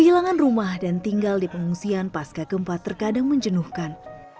kehilangan rumah dan tinggal di pengungsian pasca gempa terkadang menjenuhkan